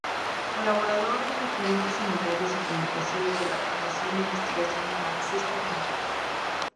Colaborador en diferentes seminarios y publicaciones de la Fundación de Investigaciones Marxistas, Madrid.